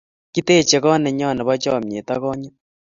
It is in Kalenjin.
kiteje kot ne nyo nebo chamiet ak kanyit